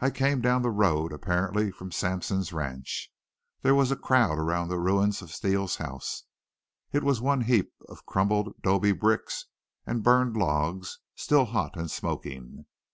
"I came down the road, apparently from Sampson's ranch. There was a crowd around the ruins of Steele's house. It was one heap of crumbled 'dobe bricks and burned logs, still hot and smoking.